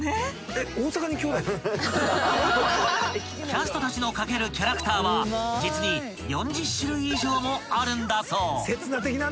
［キャストたちの描けるキャラクターは実に４０種類以上もあるんだそう］